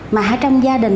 mà ở trong gia đình